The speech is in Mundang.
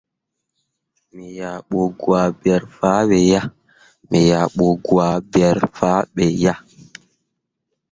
Me yah bu waaberre fah be yah.